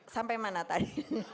sampai mana tadi